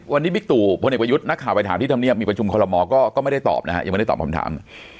วันนี้บิ๊กตู่พลเอกประยุทธ์นักข่าวไปถามที่ธรรมเนียบมีประชุมคอลโมก็ไม่ได้ตอบนะฮะยังไม่ได้ตอบคำถาม